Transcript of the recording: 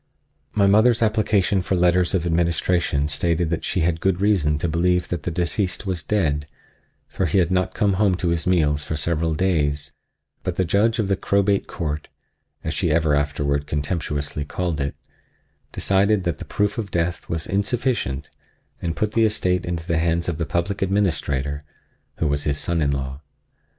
My mother's application for letters of administration stated that she had good reason to believe that the deceased was dead, for he had not come home to his meals for several days; but the Judge of the Crowbait Court—as she ever afterward contemptuously called it—decided that the proof of death was insufficient, and put the estate into the hands of the Public Administrator, who was his son in law.